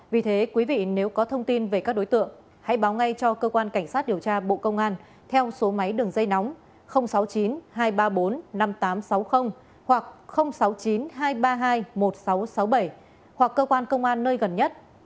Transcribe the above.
vì thế quý vị nếu có thông tin về các đối tượng hãy báo ngay cho cơ quan cảnh sát điều tra bộ công an theo số máy đường dây nóng sáu mươi chín hai trăm ba mươi bốn năm nghìn tám trăm sáu mươi hoặc sáu mươi chín hai trăm ba mươi hai một nghìn sáu trăm sáu mươi bảy hoặc cơ quan công an nơi gần nhất